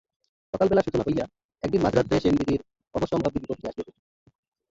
সকালবেলা সূচনা হইয়া একদিন মাঝরাত্রে সেনদিদির অবশ্যম্ভাবী বিপদটি আসিয়া পড়িল।